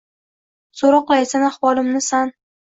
So’roqlaysan ahvolimni san…